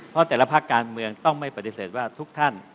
เพราะแต่ละภาคการเมืองต้องไม่ปฏิเสธว่าทุกท่าน